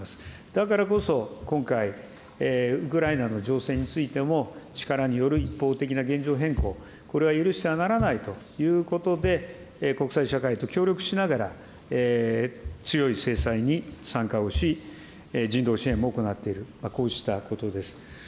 だからこそ今回、ウクライナの情勢についても、力による一方的な現状変更、これは許してはならないということで、国際社会と協力しながら、強い制裁に参加をし、人道支援も行っている、こうしたことです。